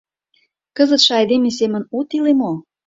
— Кызытше айдеме семын от иле мо?